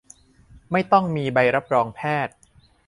ไม่ต้องมีใบรับรองแพทย์ !